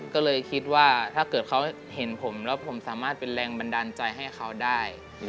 ก็เลยคิดว่าถ้าเกิดเขาเห็นผมแล้วผมสามารถเป็นแรงบันดาลใจให้เขาได้